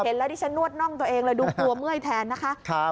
แล้วดิฉันนวดน่องตัวเองเลยดูกลัวเมื่อยแทนนะคะ